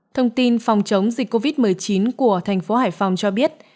thông tin phòng chống dịch covid một mươi chín của thành phố hải phòng cho biết